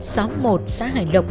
sáu mươi một xã hải lộc